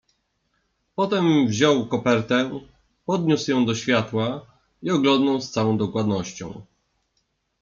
"Potem wziął kopertę, podniósł ją do światła i oglądnął z całą dokładnością."